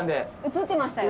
映ってましたよ。